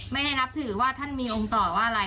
ไม่ได้นับถือว่าท่านมีองค์ต่อว่าอะไร